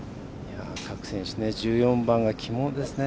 各選手１４番が鬼門ですね。